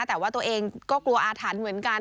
แต่ว่าตัวเองก็กลัวอาถรรพ์เหมือนกัน